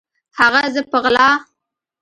هغه زه په غلا